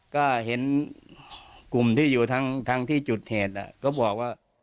ก็เห็นกลุ่มที่อยู่ทางที่จุดเหตุก็บอกว่า